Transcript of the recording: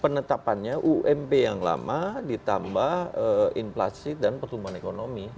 penetapannya ump yang lama ditambah inflasi dan pertumbuhan ekonomi